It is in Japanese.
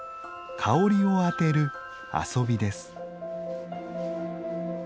香りを当てる遊びです。